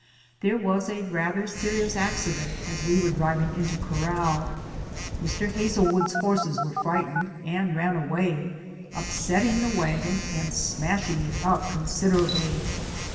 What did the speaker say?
There was a rather serious accident as we were driving into corral. Mr. Hazel wood's horses were frightened and ran away, upset ting the wagon and smashing it up consider ably.